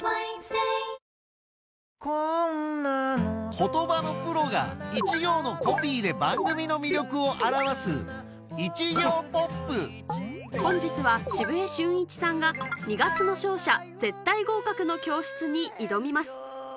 言葉のプロが一行のコピーで番組の魅力を表す本日は澁江俊一さんが『二月の勝者絶対合格の教室』に挑みます